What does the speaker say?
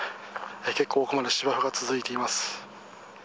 結構奥まで芝生が続いています。